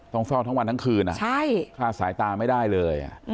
ต้องเฝ้าทั้งวันทั้งคืนคลาดสายตาไม่ได้เลย